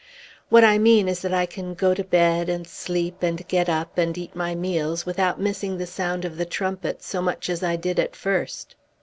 "What I mean is that I can go to bed, and sleep, and get up and eat my meals without missing the sound of the trumpets so much as I did at first.